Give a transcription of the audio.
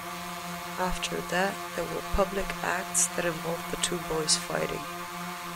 After that, there were public acts that involved the two boys fighting.